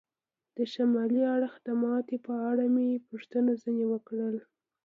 د شمالي اړخ د ماتې په اړه مې پوښتنه ځنې وکړل.